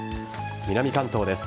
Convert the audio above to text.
南関東です。